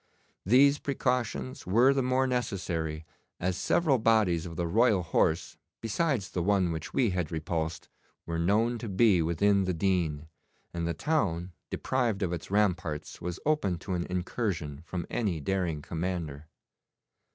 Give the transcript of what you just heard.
These precautions were the more necessary as several bodies of the Royal Horse, besides the one which we had repulsed, were known to be within the Deane, and the town, deprived of its ramparts, was open to an incursion from any daring commander.